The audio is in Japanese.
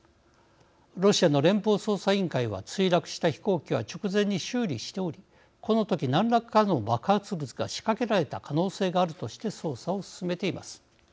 ロシアの連邦捜査委員会は墜落した飛行機は直前に修理しておりこの時何らかの爆発物が仕掛けられた可能性があるとして捜査を進めています。